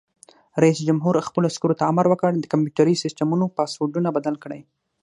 رئیس جمهور خپلو عسکرو ته امر وکړ؛ د کمپیوټري سیسټمونو پاسورډونه بدل کړئ!